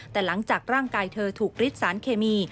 แต่หลังจากร่างกายเธอถูกฤทธิสารเคมี